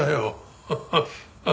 ハハハ。